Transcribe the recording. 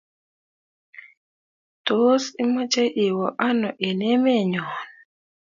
Tos imache iwe ano eng emet nyon?